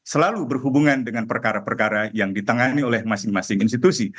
selalu berhubungan dengan perkara perkara yang ditangani oleh masing masing institusi